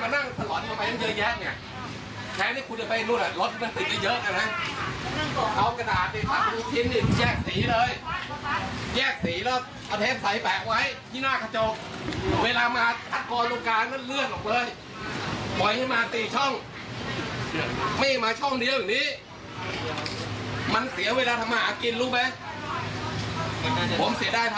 ไม่ได้ทำมากกินรู้ไหมผมเสียดายภาษีผม